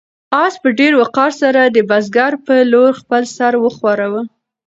آس په ډېر وقار سره د بزګر په لور خپل سر وښوراوه.